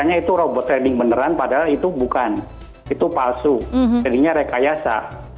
biasanya itu robot trading beneran padahal itu bukan itu palsu jadinya rekayasa